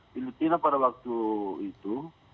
di litina pada waktu itu